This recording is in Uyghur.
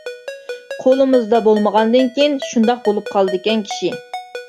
قولىمىزدا بولمىغاندىن كېيىن شۇنداق بولۇپ قالىدىكەن كىشى.